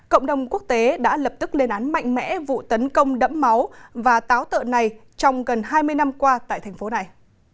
cộng đồng quốc tế đã lập tức lên án mạnh mẽ vụ tấn công đẫm máu và táo tợn này trong gần hai mươi năm qua tại thành phố này